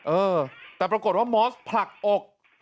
เออแต่ปรากฏว่ามอสผลักอก